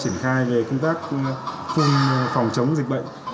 triển khai về công tác phương phòng chống dịch bệnh